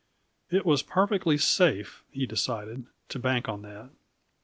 It was perfectly safe, he decided, to bank on that.